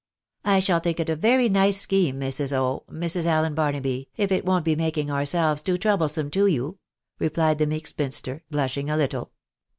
" I shall think it a very nice scheme, Mrs. O— Mrs. Allen Bar naby, if it won't be making ourselves too troublesome to you," replied the meek spinster, blushing a little.